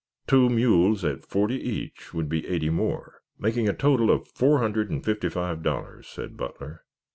Two mules at forty each would be eighty more, making a total of four hundred and fifty five dollars," said Butler.